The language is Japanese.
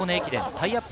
タイアップ